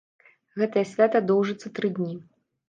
Гэтае свята доўжыцца тры дні.